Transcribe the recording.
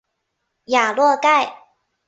雅洛盖。